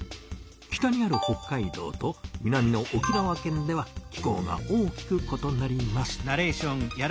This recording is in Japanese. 北にある北海道と南の沖縄県では気候が大きくことなります。